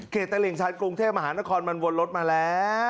ตลิ่งชายกรุงเทพมหานครมันวนรถมาแล้ว